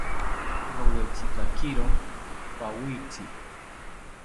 Rowetzikakiro pawitzi